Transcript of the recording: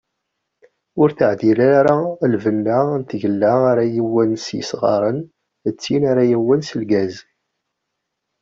Ur d-teɛdil ara lbenna n tgella ara yewwen s yisɣaren d tin ara yewwen s lgaz.